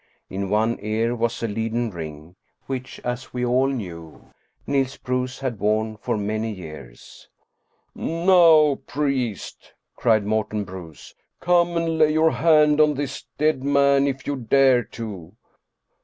In one ear was a leaden ring, which, as we all knew, Niels Bruus had worn for many years. " Now, priest," cried Morten Bruus, " come and lay your hand on this dead man if you dare to